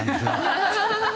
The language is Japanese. ハハハハ。